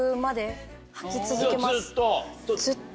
ずっと？